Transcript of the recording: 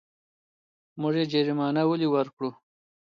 موږ يې ګرمانه ولې ورکړو.